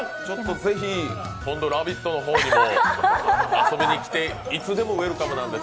ぜひ今度、「ラヴィット！」の方にも遊びに来て、いつでもウェルカムです。